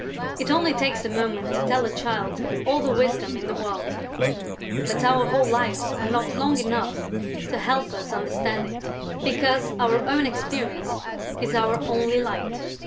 It only takes a moment to tell a child all the wisdom in the world, but our whole lives are not long enough to help us understand it, because our own experience is our only light.